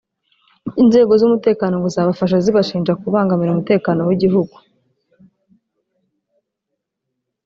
Inzego z’umutekano ngo zabafashe zibashinja kubangamira umutekano w’igihugu